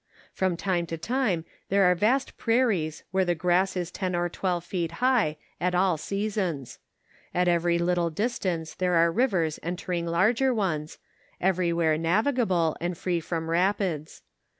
From time to time there 9,re vast prairies where the grass is ten or twelve feet high at all seasons ; at every little distance there are rivers entering larger ones, everywhere navigable, and free from rapids.